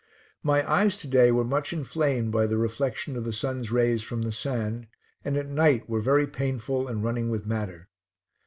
My eyes to day were much inflamed by the reflection of the sun's rays from the sand, and at night were very painful and running with matter.